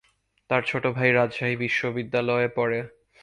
তার ছোট ভাই রাজশাহী বিশ্বনিদ্যালয়ে পড়ে।